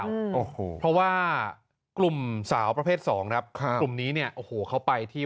โอ้โหเพราะว่ากลุ่มสาวประเภทสองครับค่ะกลุ่มนี้เนี่ยโอ้โหเขาไปที่